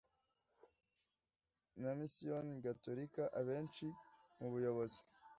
Na misiyoni gatorika abenshi mu bayobozi